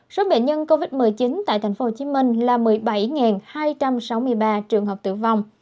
số bệnh nhân covid một mươi chín tại tp hcm là một mươi bảy hai trăm sáu mươi ba trường hợp tử vong